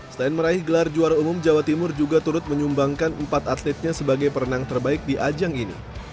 selain meraih gelar juara umum jawa timur juga turut menyumbangkan empat atletnya sebagai perenang terbaik di ajang ini